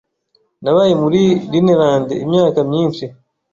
Nabaye muri Rhineland imyaka myinshi.